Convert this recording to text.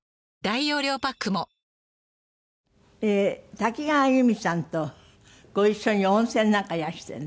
多岐川裕美さんとご一緒に温泉なんかいらしてるんですって？